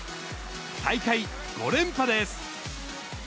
大会５連覇です。